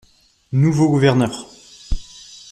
- Nouveau gouverneur.